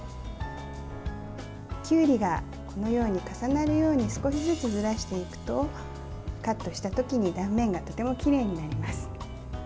きゅうりがこのように重なるように少しずつずらしていくとカットした時に断面が、とてもきれいになります。